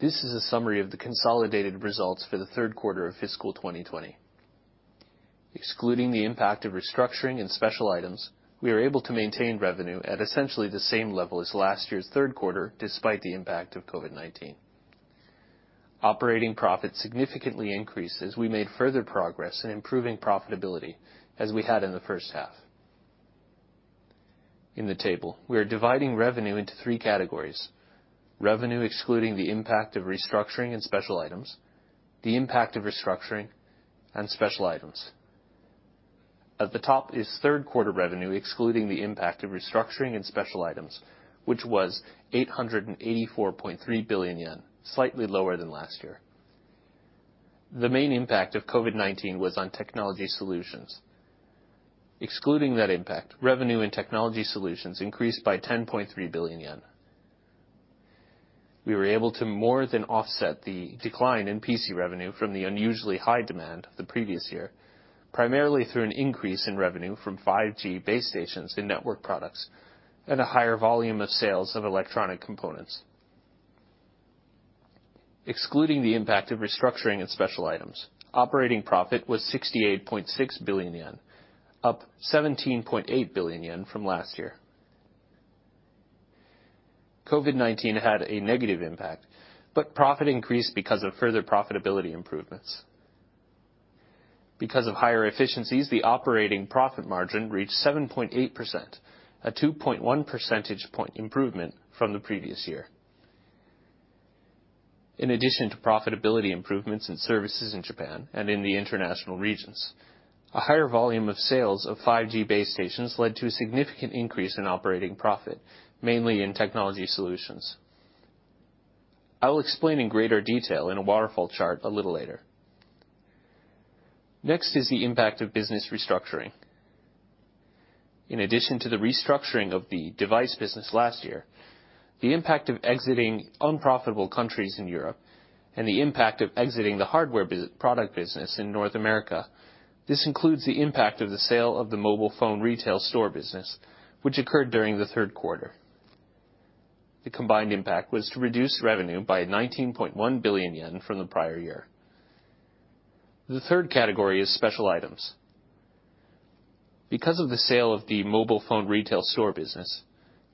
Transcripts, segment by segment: This is a summary of the consolidated results for the third quarter of fiscal 2020. Excluding the impact of restructuring and special items, we are able to maintain revenue at essentially the same level as last year's third quarter, despite the impact of COVID-19. Operating profit significantly increased as we made further progress in improving profitability as we had in the first half. In the table, we are dividing revenue into three categories: revenue excluding the impact of restructuring and special items, the impact of restructuring, and special items. At the top is third quarter revenue, excluding the impact of restructuring and special items, which was 884.3 billion yen, slightly lower than last year. The main impact of COVID-19 was on Technology Solutions. Excluding that impact, revenue and Technology Solutions increased by 10.3 billion yen. We were able to more than offset the decline in PC revenue from the unusually high demand the previous year, primarily through an increase in revenue from 5G base stations in network products, and a higher volume of sales of electronic components. Excluding the impact of restructuring and special items, operating profit was 68.6 billion yen, up 17.8 billion yen from last year. COVID-19 had a negative impact, but profit increased because of further profitability improvements. Because of higher efficiencies, the operating profit margin reached 7.8%, a 2.1 percentage point improvement from the previous year. In addition to profitability improvements in services in Japan and in the international regions, a higher volume of sales of 5G base stations led to a significant increase in operating profit, mainly in Technology Solutions. I will explain in greater detail in a waterfall chart a little later. Next is the impact of business restructuring. In addition to the restructuring of the device business last year, the impact of exiting unprofitable countries in Europe, and the impact of exiting the hardware product business in North America, this includes the impact of the sale of the mobile phone retail store business, which occurred during the third quarter. The combined impact was to reduce revenue by 19.1 billion yen from the prior year. The third category is special items. Because of the sale of the mobile phone retail store business,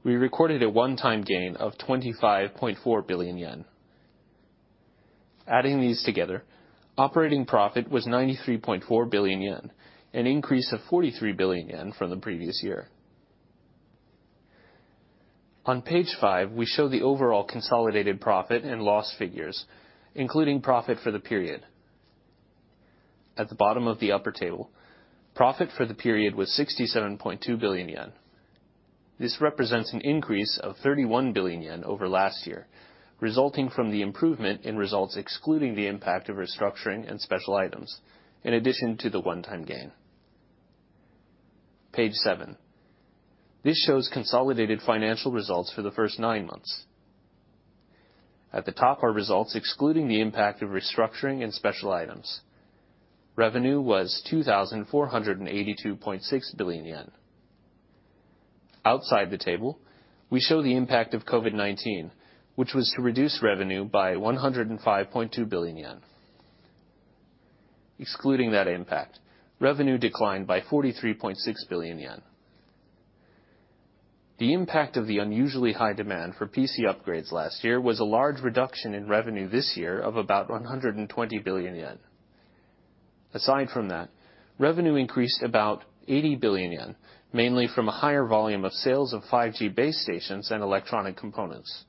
we recorded a one-time gain of 25.4 billion yen. Adding these together, operating profit was 93.4 billion yen, an increase of 43 billion yen from the previous year. On page five, we show the overall consolidated profit and loss figures, including profit for the period. At the bottom of the upper table, profit for the period was 67.2 billion yen. This represents an increase of 31 billion yen over last year, resulting from the improvement in results excluding the impact of restructuring and special items in addition to the one-time gain. Page seven. This shows consolidated financial results for the first nine months. At the top are results excluding the impact of restructuring and special items. Revenue was 2,482.6 billion yen. Outside the table, we show the impact of COVID-19, which was to reduce revenue by 105.2 billion yen. Excluding that impact, revenue declined by 43.6 billion yen. The impact of the unusually high demand for PC upgrades last year was a large reduction in revenue this year of about 120 billion yen. Aside from that, revenue increased about 80 billion yen, mainly from a higher volume of sales of 5G base stations and electronic components.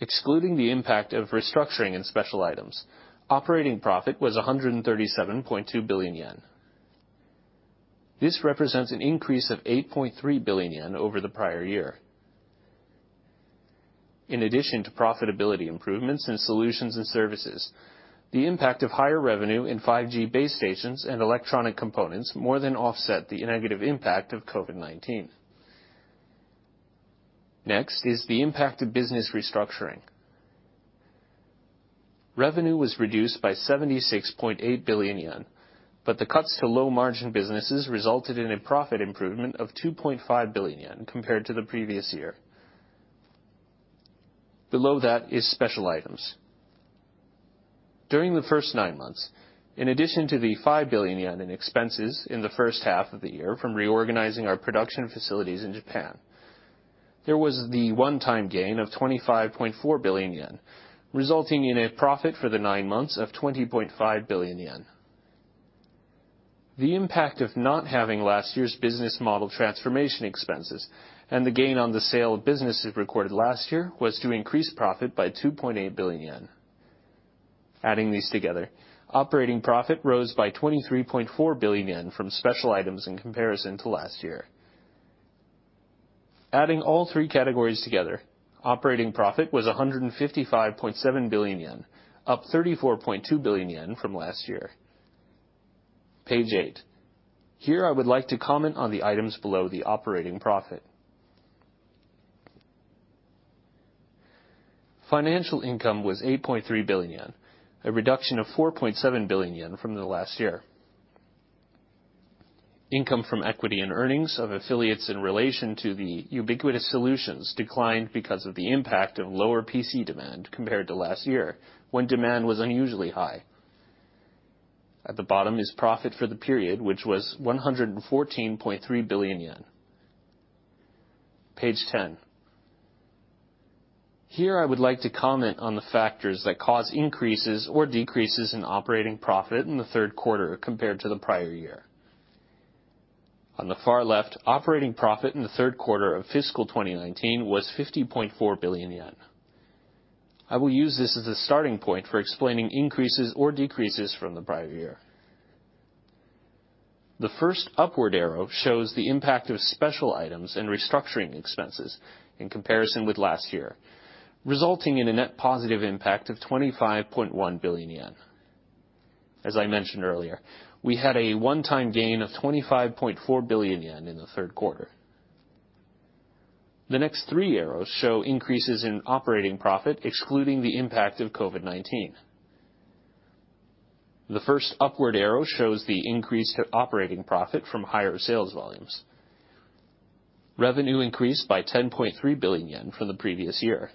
Excluding the impact of restructuring and special items, operating profit was 137.2 billion yen. This represents an increase of 8.3 billion yen over the prior year. In addition to profitability improvements in Solutions/Services, the impact of higher revenue in 5G base stations and electronic components more than offset the negative impact of COVID-19. The impact of business restructuring. Revenue was reduced by 76.8 billion yen, but the cuts to low margin businesses resulted in a profit improvement of 2.5 billion yen compared to the previous year. Special items. During the first nine months, in addition to the 5 billion yen in expenses in the first half of the year from reorganizing our production facilities in Japan, there was the one-time gain of 25.4 billion yen, resulting in a profit for the nine months of 20.5 billion yen. The impact of not having last year's business model transformation expenses and the gain on the sale of businesses recorded last year was to increase profit by 2.8 billion yen. Adding these together, operating profit rose by 23.4 billion yen from special items in comparison to last year. Adding all three categories together, operating profit was 155.7 billion yen, up 34.2 billion yen from last year. Page eight. I would like to comment on the items below the operating profit. Financial income was 8.3 billion yen, a reduction of 4.7 billion yen from the last year. Income from equity and earnings of affiliates in relation to the Ubiquitous Solutions declined because of the impact of lower PC demand compared to last year, when demand was unusually high. Profit for the period, which was 114.3 billion yen. Page 10. I would like to comment on the factors that cause increases or decreases in operating profit in the third quarter compared to the prior year. Operating profit in the third quarter of fiscal 2019 was 50.4 billion yen. I will use this as a starting point for explaining increases or decreases from the prior year. The first upward arrow shows the impact of special items and restructuring expenses in comparison with last year, resulting in a net positive impact of 25.1 billion yen. As I mentioned earlier, we had a one-time gain of 25.4 billion yen in the third quarter. The next three arrows show increases in operating profit, excluding the impact of COVID-19. The first upward arrow shows the increased operating profit from higher sales volumes. Revenue increased by 10.3 billion yen from the previous year.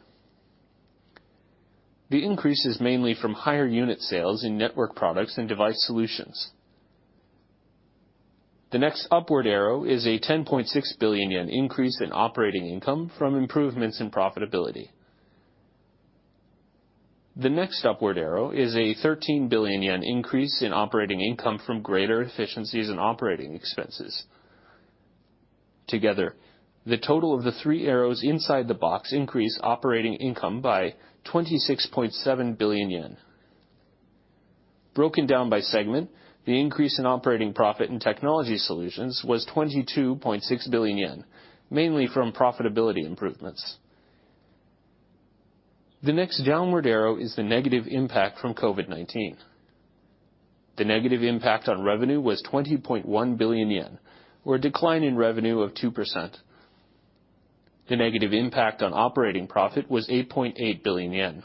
The increase is mainly from higher unit sales in network products and Device Solutions. The next upward arrow is a 10.6 billion yen increase in operating income from improvements in profitability. The next upward arrow is a 13 billion yen increase in operating income from greater efficiencies in operating expenses. Together, the total of the three arrows inside the box increase operating income by 26.7 billion yen. Broken down by segment, the increase in operating profit in Technology Solutions was 22.6 billion yen, mainly from profitability improvements. The next downward arrow is the negative impact from COVID-19. The negative impact on revenue was 20.1 billion yen, or a decline in revenue of 2%. The negative impact on operating profit was 8.8 billion yen.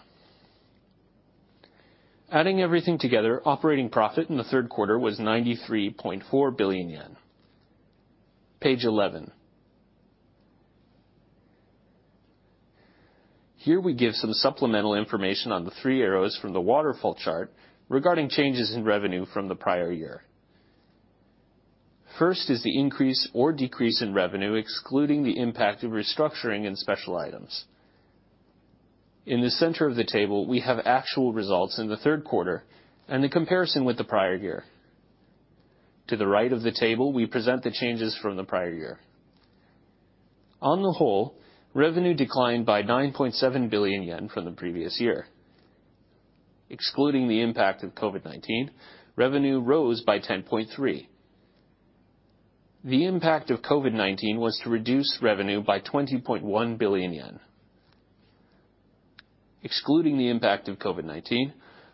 Adding everything together, operating profit in the third quarter was 93.4 billion yen. Page 11. Here, we give some supplemental information on the three arrows from the waterfall chart regarding changes in revenue from the prior year. First is the increase or decrease in revenue, excluding the impact of restructuring and special items. In the center of the table, we have actual results in the third quarter and the comparison with the prior year. To the right of the table, we present the changes from the prior year. On the whole, revenue declined by 9.7 billion yen from the previous year. Excluding the impact of COVID-19, revenue rose by 10.3 billion. The impact of COVID-19 was to reduce revenue by 20.1 billion yen. Excluding the impact of COVID-19,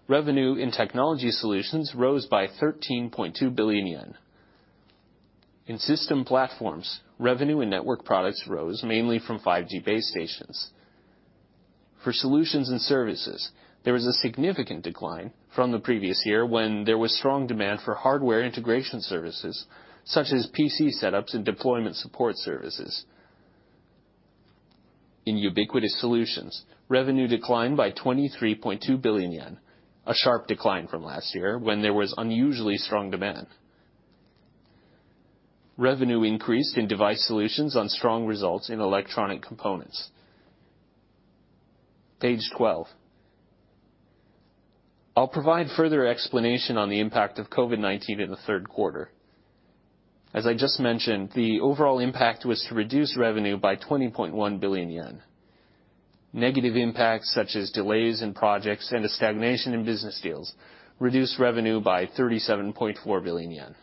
revenue in Technology Solutions rose by 13.2 billion yen. In System Platforms, revenue and network products rose mainly from 5G base stations. For Solutions/Services, there was a significant decline from the previous year when there was strong demand for hardware integration services, such as PC setups and deployment support services. In Ubiquitous Solutions, revenue declined by 23.2 billion yen, a sharp decline from last year when there was unusually strong demand. Revenue increased in Device Solutions on strong results in electronic components. Page 12. I'll provide further explanation on the impact of COVID-19 in the third quarter. As I just mentioned, the overall impact was to reduce revenue by 20.1 billion yen. Negative impacts, such as delays in projects and a stagnation in business deals, reduced revenue by 37.4 billion yen.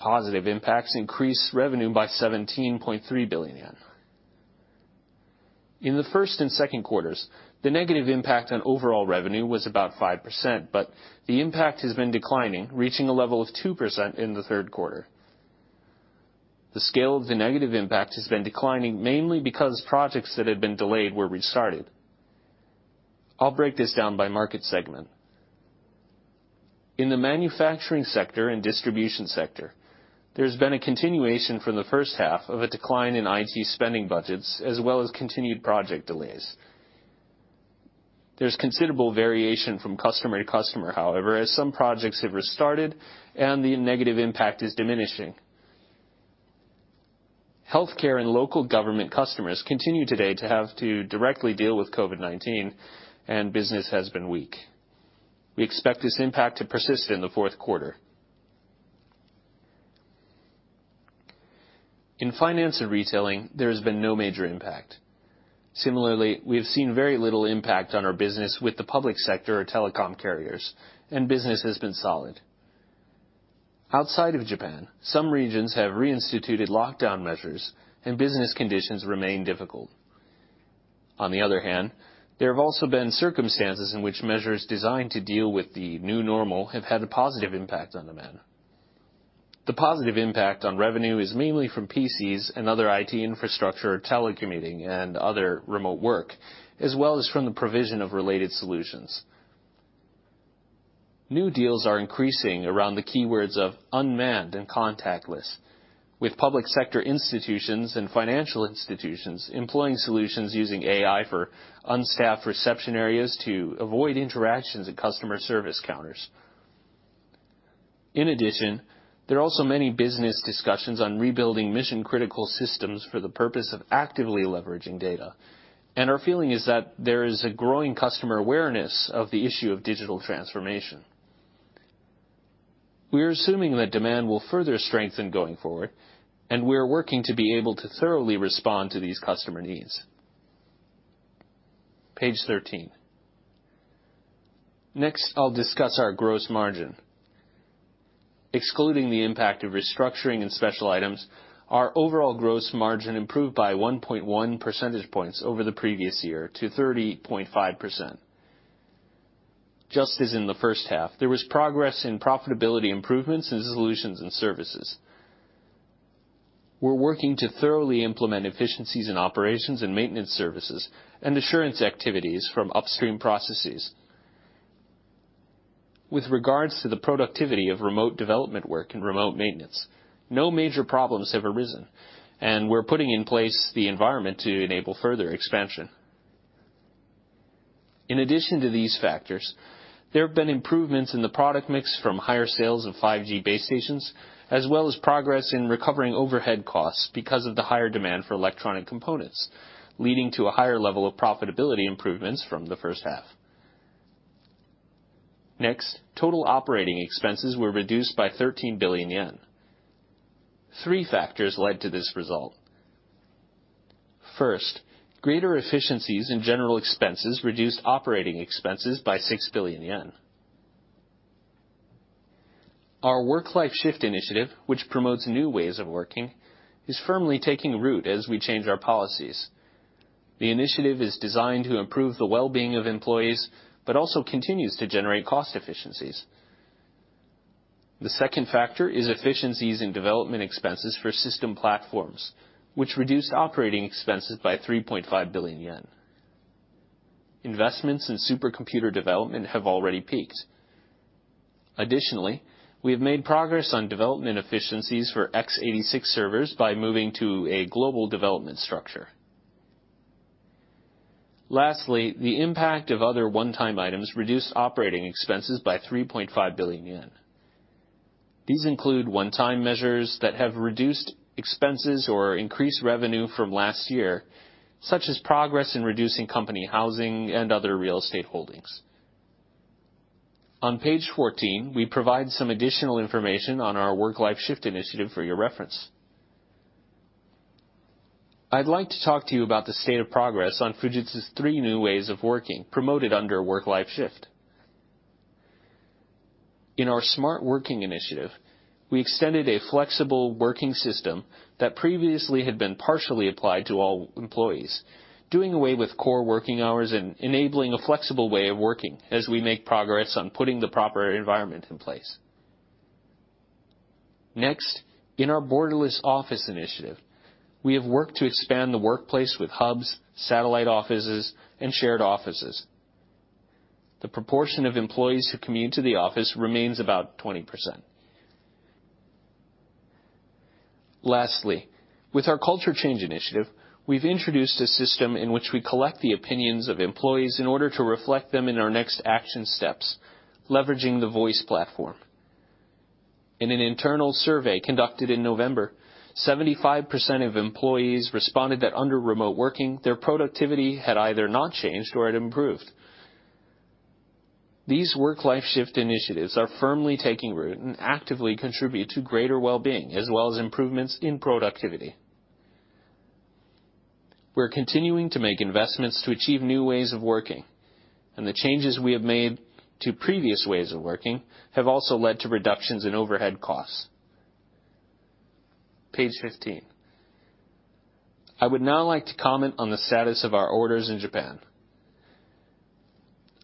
Positive impacts increased revenue by 17.3 billion yen. In the first and second quarters, the negative impact on overall revenue was about 5%, but the impact has been declining, reaching a level of 2% in the third quarter. The scale of the negative impact has been declining, mainly because projects that had been delayed were restarted. I'll break this down by market segment. In the manufacturing sector and distribution sector, there's been a continuation from the first half of a decline in IT spending budgets, as well as continued project delays. There's considerable variation from customer to customer, however, as some projects have restarted and the negative impact is diminishing. Healthcare and local government customers continue today to have to directly deal with COVID-19, and business has been weak. We expect this impact to persist in the fourth quarter. In finance and retailing, there has been no major impact. Similarly, we have seen very little impact on our business with the public sector or telecom carriers, and business has been solid. Outside of Japan, some regions have reinstituted lockdown measures, and business conditions remain difficult. There have also been circumstances in which measures designed to deal with the new normal have had a positive impact on demand. The positive impact on revenue is mainly from PCs and other IT infrastructure, telecommuting, and other remote work, as well as from the provision of related solutions. New deals are increasing around the keywords of unmanned and contactless, with public sector institutions and financial institutions employing solutions using AI for unstaffed reception areas to avoid interactions at customer service counters. There are also many business discussions on rebuilding mission-critical systems for the purpose of actively leveraging data, and our feeling is that there is a growing customer awareness of the issue of digital transformation. We are assuming that demand will further strengthen going forward, and we are working to be able to thoroughly respond to these customer needs. Page 13. I'll discuss our gross margin. Excluding the impact of restructuring and special items, our overall gross margin improved by 1.1 percentage points over the previous year to 30.5%. Just as in the first half, there was progress in profitability improvements in Solutions/Services. We're working to thoroughly implement efficiencies in operations and maintenance services and assurance activities from upstream processes. With regards to the productivity of remote development work and remote maintenance, no major problems have arisen, and we're putting in place the environment to enable further expansion. In addition to these factors, there have been improvements in the product mix from higher sales of 5G base stations, as well as progress in recovering overhead costs because of the higher demand for electronic components, leading to a higher level of profitability improvements from the first half. Total operating expenses were reduced by 13 billion yen. Three factors led to this result. First, greater efficiencies in general expenses reduced operating expenses by 6 billion yen. Our Work Life Shift initiative, which promotes new ways of working, is firmly taking root as we change our policies. The initiative is designed to improve the wellbeing of employees, but also continues to generate cost efficiencies. The second factor is efficiencies in development expenses for System Platforms, which reduced operating expenses by 3.5 billion yen. Investments in supercomputer development have already peaked. Additionally, we have made progress on development efficiencies for x86 servers by moving to a global development structure. Lastly, the impact of other one-time items reduced operating expenses by 3.5 billion yen. These include one-time measures that have reduced expenses or increased revenue from last year, such as progress in reducing company housing and other real estate holdings. On page 14, we provide some additional information on our Work Life Shift initiative for your reference. I'd like to talk to you about the state of progress on Fujitsu's three new ways of working promoted under Work Life Shift. In our Smart Working initiative, we extended a flexible working system that previously had been partially applied to all employees, doing away with core working hours and enabling a flexible way of working as we make progress on putting the proper environment in place. In our Borderless Office initiative, we have worked to expand the workplace with hubs, satellite offices, and shared offices. The proportion of employees who commute to the office remains about 20%. Lastly, with our Culture Change initiative, we've introduced a system in which we collect the opinions of employees in order to reflect them in our next action steps, leveraging the Voice platform. In an internal survey conducted in November, 75% of employees responded that under remote working, their productivity had either not changed or it improved. These Work Life Shift initiatives are firmly taking root and actively contribute to greater wellbeing, as well as improvements in productivity. We're continuing to make investments to achieve new ways of working, and the changes we have made to previous ways of working have also led to reductions in overhead costs. Page 15. I would now like to comment on the status of our orders in Japan.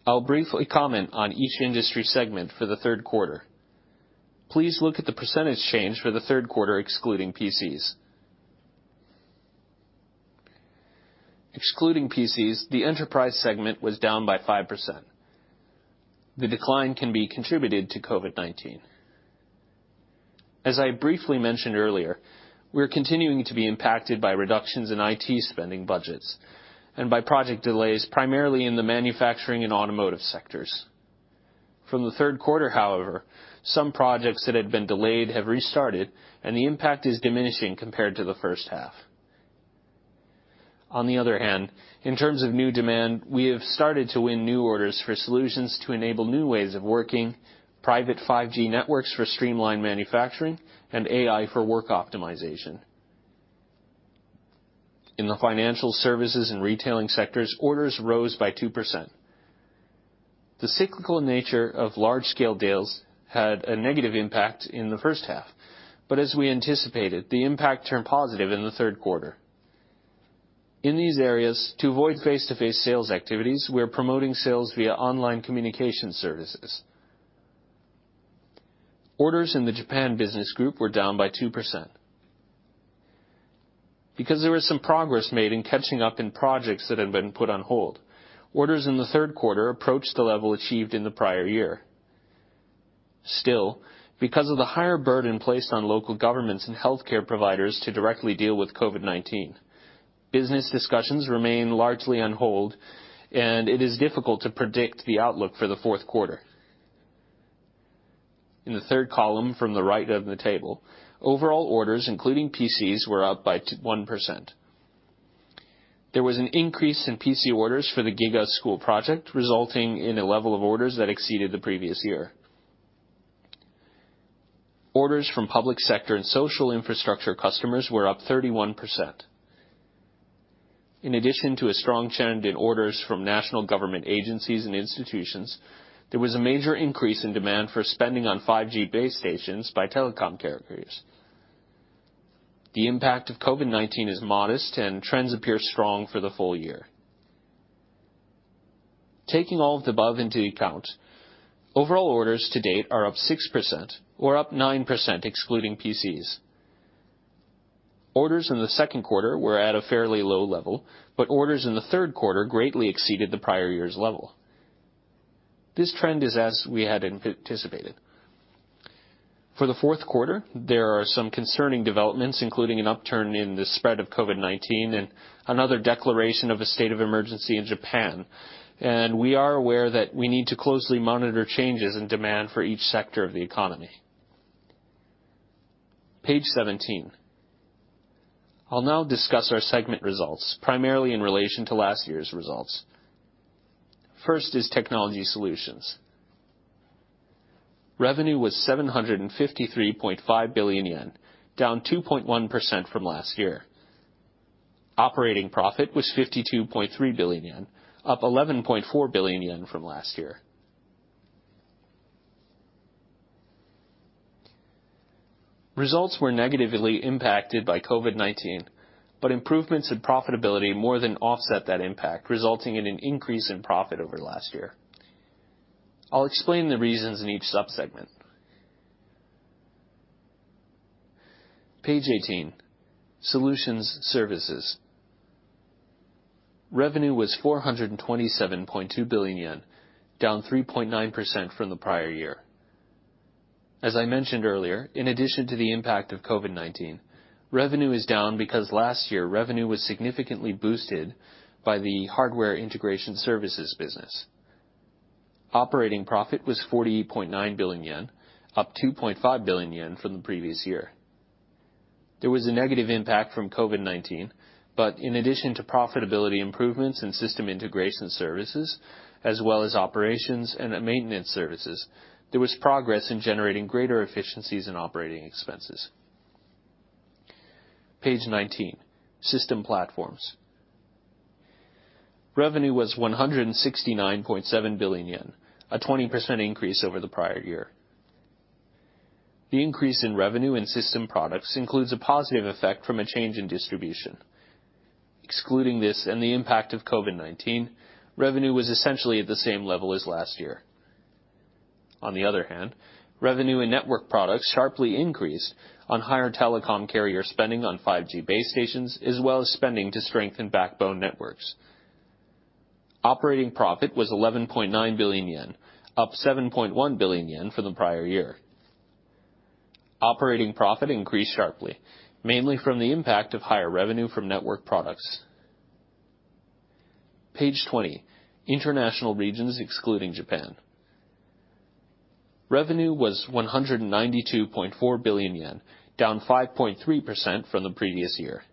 I'll briefly comment on each industry segment for the third quarter. Please look at the percentage change for the third quarter, excluding PCs. Excluding PCs, the enterprise segment was down by 5%. The decline can be contributed to COVID-19. As I briefly mentioned earlier, we're continuing to be impacted by reductions in IT spending budgets and by project delays, primarily in the manufacturing and automotive sectors. From the third quarter, however, some projects that had been delayed have restarted, and the impact is diminishing compared to the first half. On the other hand, in terms of new demand, we have started to win new orders for solutions to enable new ways of working, private 5G networks for streamlined manufacturing, and AI for work optimization. In the financial services and retailing sectors, orders rose by 2%. The cyclical nature of large-scale deals had a negative impact in the first half, but as we anticipated, the impact turned positive in the third quarter. In these areas, to avoid face-to-face sales activities, we're promoting sales via online communication services. Orders in the Japan business group were down by 2%. Because there was some progress made in catching up in projects that had been put on hold, orders in the third quarter approached the level achieved in the prior year. Still, because of the higher burden placed on local governments and healthcare providers to directly deal with COVID-19, business discussions remain largely on hold, and it is difficult to predict the outlook for the fourth quarter. In the third column from the right of the table, overall orders, including PCs, were up by 1%. There was an increase in PC orders for the GIGA School Program, resulting in a level of orders that exceeded the previous year. Orders from public sector and social infrastructure customers were up 31%. In addition to a strong trend in orders from national government agencies and institutions, there was a major increase in demand for spending on 5G base stations by telecom carriers. The impact of COVID-19 is modest and trends appear strong for the full year. Taking all of the above into account, overall orders to date are up 6% or up 9% excluding PCs. Orders in the second quarter were at a fairly low level, orders in the third quarter greatly exceeded the prior year's level. This trend is as we had anticipated. For the fourth quarter, there are some concerning developments, including an upturn in the spread of COVID-19 and another declaration of a state of emergency in Japan, we are aware that we need to closely monitor changes in demand for each sector of the economy. Page 17. I'll now discuss our segment results, primarily in relation to last year's results. First is Technology Solutions. Revenue was 753.5 billion yen, down 2.1% from last year. Operating profit was 52.3 billion yen, up 11.4 billion yen from last year. Results were negatively impacted by COVID-19, improvements in profitability more than offset that impact, resulting in an increase in profit over last year. I'll explain the reasons in each sub-segment. Page 18, Solutions/Services. Revenue was 427.2 billion yen, down 3.9% from the prior year. As I mentioned earlier, in addition to the impact of COVID-19, revenue is down because last year revenue was significantly boosted by the hardware integration services business. Operating profit was 40.9 billion yen, up 2.5 billion yen from the previous year. There was a negative impact from COVID-19, in addition to profitability improvements in system integration services, as well as operations and maintenance services, there was progress in generating greater efficiencies in operating expenses. Page 19, System Platforms. Revenue was 169.7 billion yen, a 20% increase over the prior year. The increase in revenue in system products includes a positive effect from a change in distribution. Excluding this and the impact of COVID-19, revenue was essentially at the same level as last year. Revenue and network products sharply increased on higher telecom carrier spending on 5G base stations, as well as spending to strengthen backbone networks. Operating profit was 11.9 billion yen, up 7.1 billion yen for the prior year. Operating profit increased sharply, mainly from the impact of higher revenue from network products. Page 20, International Regions excluding Japan. Revenue was 192.4 billion yen, down 5.3% from the previous year.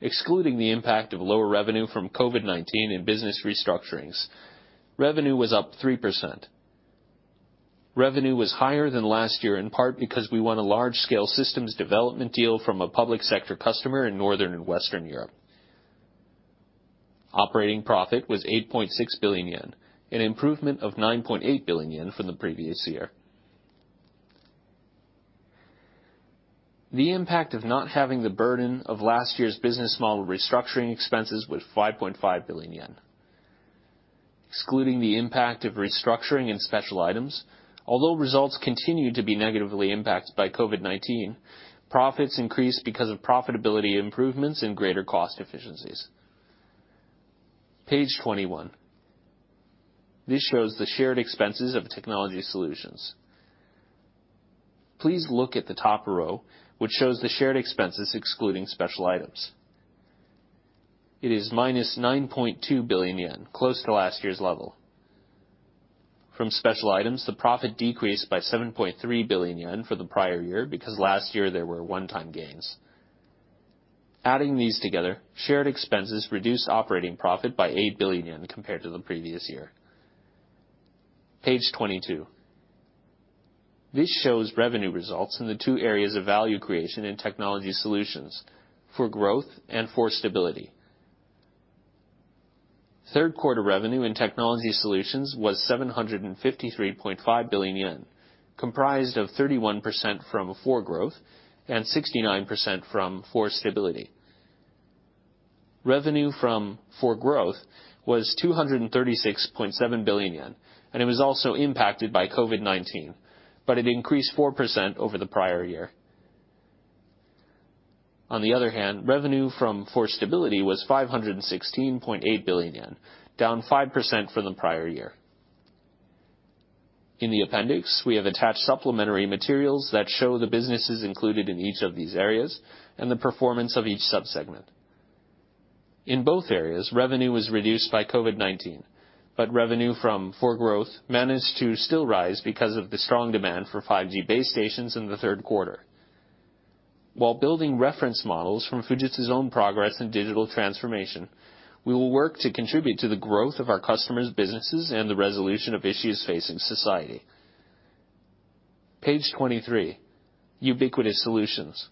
Excluding the impact of lower revenue from COVID-19 and business restructurings, revenue was up 3%. Revenue was higher than last year, in part because we won a large-scale systems development deal from a public sector customer in Northern and Western Europe. Operating profit was 8.6 billion yen, an improvement of 9.8 billion yen from the previous year. The impact of not having the burden of last year's business model restructuring expenses was 5.5 billion yen. Excluding the impact of restructuring and special items, although results continued to be negatively impacted by COVID-19, profits increased because of profitability improvements and greater cost efficiencies. Page 21. This shows the shared expenses of Technology Solutions. Please look at the top row, which shows the shared expenses excluding special items. It is minus 9.2 billion yen, close to last year's level. From special items, the profit decreased by 7.3 billion yen for the prior year because last year there were one-time gains. Adding these together, shared expenses reduced operating profit by 8 billion yen compared to the previous year. Page 22. This shows revenue results in the two areas of value creation and Technology Solutions For Growth and For Stability. Third quarter revenue in Technology Solutions was 753.5 billion yen, comprised of 31% from For Growth and 69% from For Stability. Revenue from For Growth was 236.7 billion yen, it was also impacted by COVID-19, it increased 4% over the prior year. Revenue from For Stability was 516.8 billion yen, down 5% from the prior year. In the appendix, we have attached supplementary materials that show the businesses included in each of these areas and the performance of each sub-segment. In both areas, revenue was reduced by COVID-19, revenue from For Growth managed to still rise because of the strong demand for 5G base stations in the third quarter. While building reference models from Fujitsu's own progress in digital transformation, we will work to contribute to the growth of our customers' businesses and the resolution of issues facing society. Page 23, Ubiquitous Solutions.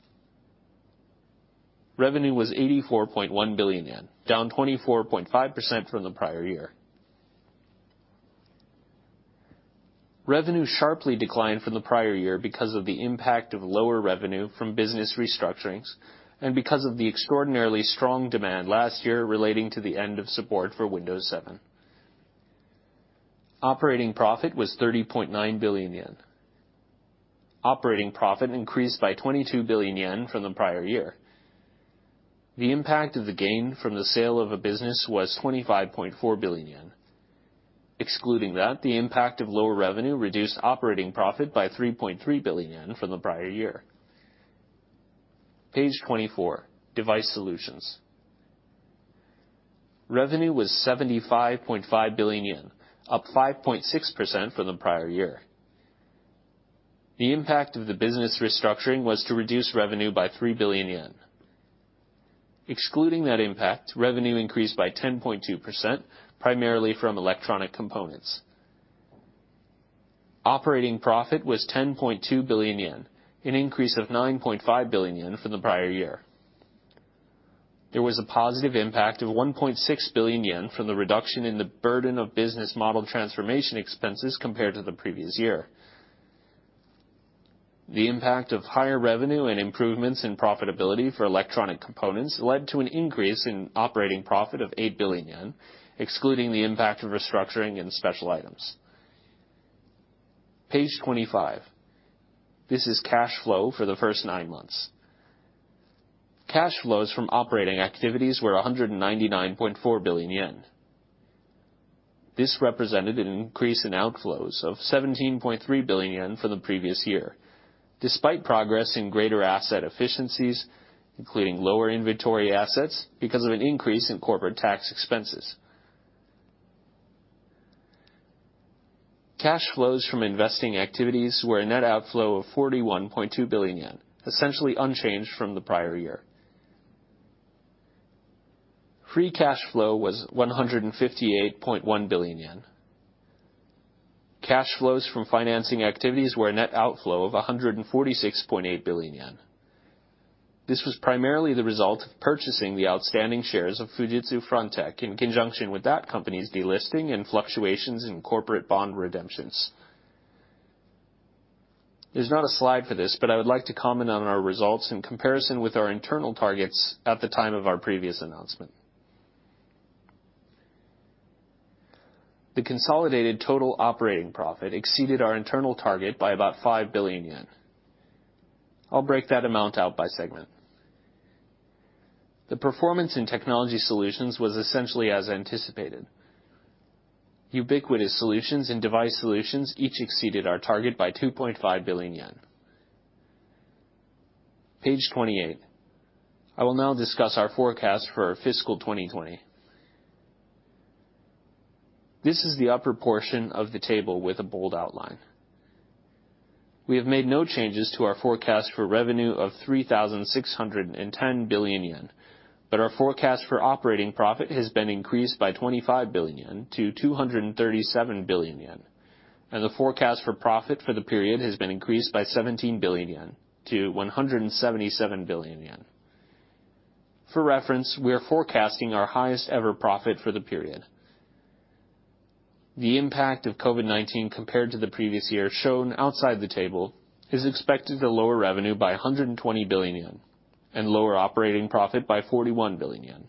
Revenue was 84.1 billion yen, down 24.5% from the prior year. Revenue sharply declined from the prior year because of the impact of lower revenue from business restructurings and because of the extraordinarily strong demand last year relating to the end of support for Windows 7. Operating profit was 30.9 billion yen. Operating profit increased by 22 billion yen from the prior year. The impact of the gain from the sale of a business was 25.4 billion yen. Excluding that, the impact of lower revenue reduced operating profit by 3.3 billion yen from the prior year. Page 24, Device Solutions. Revenue was 75.5 billion yen, up 5.6% from the prior year. The impact of the business restructuring was to reduce revenue by 3 billion yen. Excluding that impact, revenue increased by 10.2%, primarily from electronic components. Operating profit was 10.2 billion yen, an increase of 9.5 billion yen from the prior year. There was a positive impact of 1.6 billion yen from the reduction in the burden of business model transformation expenses compared to the previous year. The impact of higher revenue and improvements in profitability for electronic components led to an increase in operating profit of 8 billion yen, excluding the impact of restructuring and special items. Page 25. This is cash flow for the first nine months. Cash flows from operating activities were 199.4 billion yen. This represented an increase in outflows of 17.3 billion yen from the previous year. Despite progress in greater asset efficiencies, including lower inventory assets because of an increase in corporate tax expenses. Cash flows from investing activities were a net outflow of 41.2 billion yen, essentially unchanged from the prior year. Free cash flow was 158.1 billion yen. Cash flows from financing activities were a net outflow of 146.8 billion yen. This was primarily the result of purchasing the outstanding shares of Fujitsu Frontech in conjunction with that company's delisting and fluctuations in corporate bond redemptions. There's not a slide for this. I would like to comment on our results in comparison with our internal targets at the time of our previous announcement. The consolidated total operating profit exceeded our internal target by about 5 billion yen. I'll break that amount out by segment. The performance in Technology Solutions was essentially as anticipated. Ubiquitous Solutions and Device Solutions each exceeded our target by 2.5 billion yen. Page 28. I will now discuss our forecast for our fiscal 2020. This is the upper portion of the table with a bold outline. We have made no changes to our forecast for revenue of 3,610 billion yen. Our forecast for operating profit has been increased by 25 billion yen to 237 billion yen, and the forecast for profit for the period has been increased by 17 billion yen to 177 billion yen. For reference, we are forecasting our highest-ever profit for the period. The impact of COVID-19 compared to the previous year shown outside the table is expected to lower revenue by 120 billion yen and lower operating profit by 41 billion yen.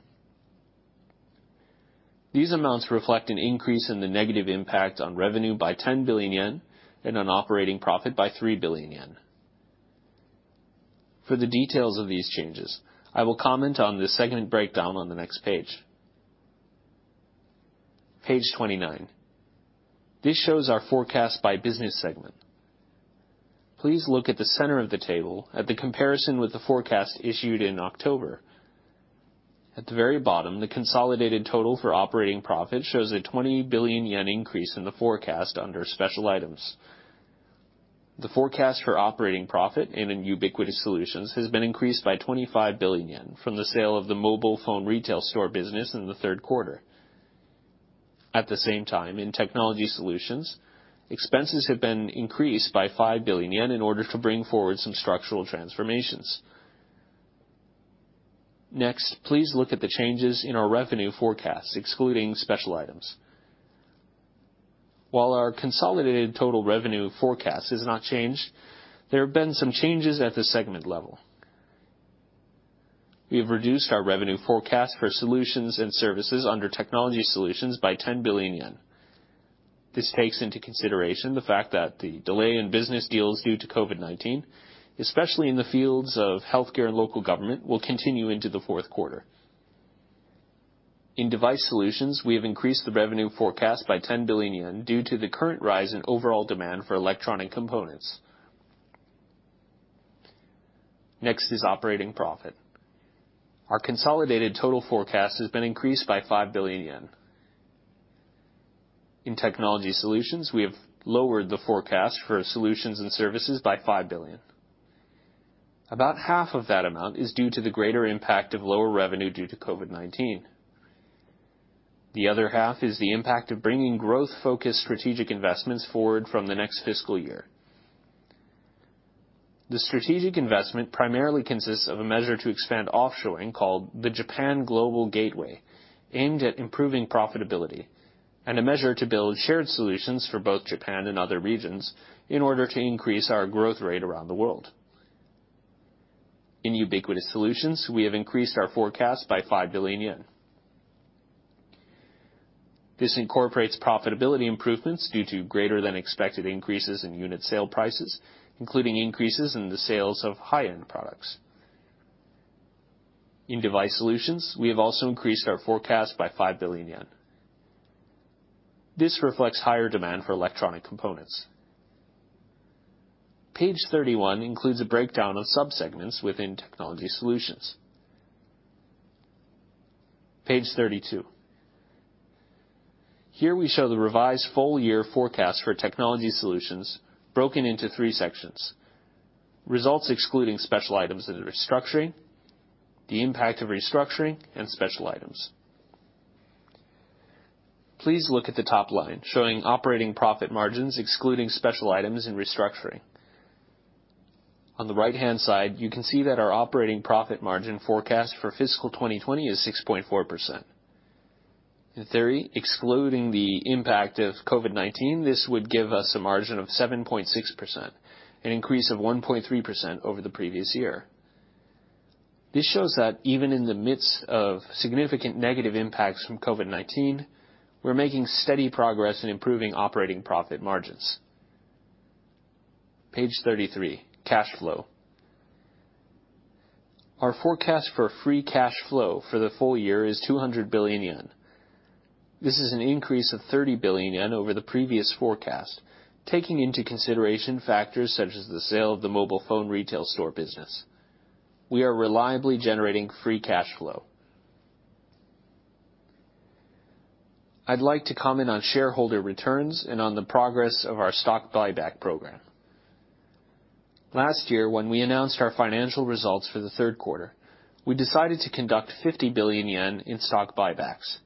These amounts reflect an increase in the negative impact on revenue by 10 billion yen and on operating profit by 3 billion yen. For the details of these changes, I will comment on the segment breakdown on the next page. Page 29. This shows our forecast by business segment. Please look at the center of the table at the comparison with the forecast issued in October. At the very bottom, the consolidated total for operating profit shows a 20 billion yen increase in the forecast under special items. The forecast for operating profit in Ubiquitous Solutions has been increased by 25 billion yen from the sale of the mobile phone retail store business in the third quarter. At the same time, in Technology Solutions, expenses have been increased by 5 billion yen in order to bring forward some structural transformations. Please look at the changes in our revenue forecasts, excluding special items. While our consolidated total revenue forecast has not changed, there have been some changes at the segment level. We have reduced our revenue forecast for Solutions/Services under Technology Solutions by 10 billion yen. This takes into consideration the fact that the delay in business deals due to COVID-19, especially in the fields of healthcare and local government, will continue into the fourth quarter. In Device Solutions, we have increased the revenue forecast by 10 billion yen due to the current rise in overall demand for electronic components. Next is operating profit. Our consolidated total forecast has been increased by 5 billion yen. In Technology Solutions, we have lowered the forecast for Solutions/Services by 5 billion. About half of that amount is due to the greater impact of lower revenue due to COVID-19. The other half is the impact of bringing growth-focused strategic investments forward from the next fiscal year. The strategic investment primarily consists of a measure to expand offshoring called the Japan Global Gateway, aimed at improving profitability and a measure to build shared solutions for both Japan and other regions in order to increase our growth rate around the world. In Ubiquitous Solutions, we have increased our forecast by 5 billion yen. This incorporates profitability improvements due to greater than expected increases in unit sale prices, including increases in the sales of high-end products. In Device Solutions, we have also increased our forecast by 5 billion yen. This reflects higher demand for electronic components. Page 31 includes a breakdown of sub-segments within Technology Solutions. Page 32. Here, we show the revised full-year forecast for Technology Solutions broken into three sections: results excluding special items and restructuring, the impact of restructuring, and special items. Please look at the top line showing operating profit margins excluding special items and restructuring. On the right-hand side, you can see that our operating profit margin forecast for fiscal 2020 is 6.4%. In theory, excluding the impact of COVID-19, this would give us a margin of 7.6%, an increase of 1.3% over the previous year. This shows that even in the midst of significant negative impacts from COVID-19, we're making steady progress in improving operating profit margins. Page 33, cash flow. Our forecast for free cash flow for the full year is 200 billion yen. This is an increase of 30 billion yen over the previous forecast, taking into consideration factors such as the sale of the mobile phone retail store business. We are reliably generating free cash flow. I'd like to comment on shareholder returns and on the progress of our stock buyback program. Last year, when we announced our financial results for the third quarter, we decided to conduct 50 billion yen in stock buybacks.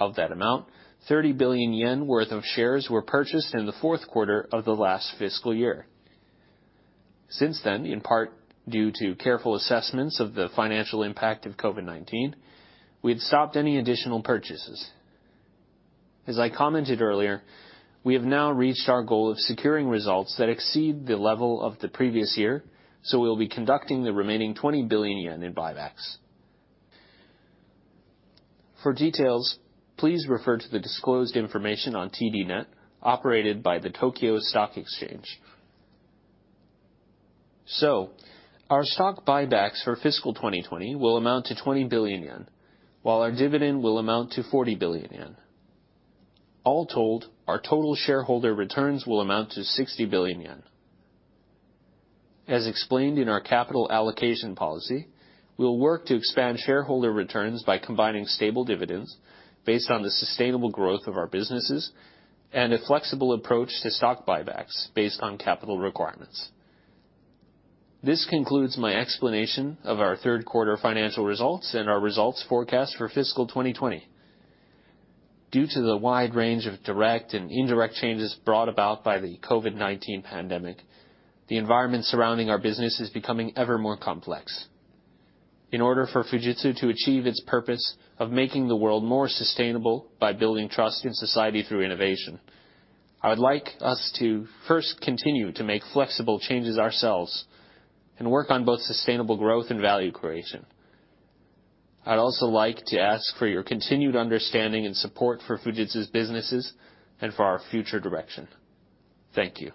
Of that amount, 30 billion yen worth of shares were purchased in the fourth quarter of the last fiscal year. Since then, in part due to careful assessments of the financial impact of COVID-19, we have stopped any additional purchases. As I commented earlier, we have now reached our goal of securing results that exceed the level of the previous year, so we'll be conducting the remaining 20 billion yen in buybacks. For details, please refer to the disclosed information on TDnet, operated by the Tokyo Stock Exchange. Our stock buybacks for fiscal 2020 will amount to 20 billion yen, while our dividend will amount to 40 billion yen. All told, our total shareholder returns will amount to 60 billion yen. As explained in our capital allocation policy, we'll work to expand shareholder returns by combining stable dividends based on the sustainable growth of our businesses and a flexible approach to stock buybacks based on capital requirements. This concludes my explanation of our third quarter financial results and our results forecast for fiscal 2020. Due to the wide range of direct and indirect changes brought about by the COVID-19 pandemic, the environment surrounding our business is becoming ever more complex. In order for Fujitsu to achieve its purpose of making the world more sustainable by building trust in society through innovation, I would like us to first continue to make flexible changes ourselves and work on both sustainable growth and value creation. I'd also like to ask for your continued understanding and support for Fujitsu's businesses and for our future direction. Thank you.